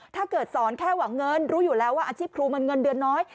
ถ้าเกิดสอนแค่หวังเงินรู้อยู่แล้วว่าอาชีพครูมันเงินเดือนน้อย